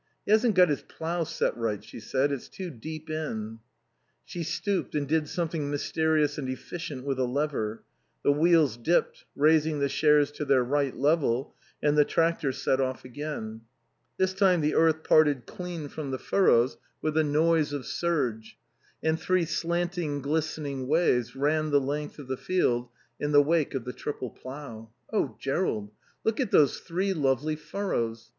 "He hasn't got his plough set right," she said. "It's too deep in." She stooped, and did something mysterious and efficient with a lever; the wheels dipped, raising the shares to their right level, and the tractor set off again. This time the earth parted clean from the furrows with the noise of surge, and three slanting, glistening waves ran the length of the field in the wake of the triple plough. "Oh, Jerrold, look at those three lovely furrows.